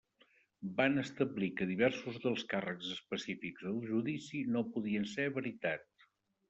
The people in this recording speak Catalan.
Van establir que diversos dels càrrecs específics del judici no podien ser veritat.